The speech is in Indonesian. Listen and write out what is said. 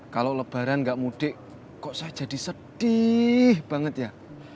kalau lebaran nggak mudik kok saya jadi sedih banget ya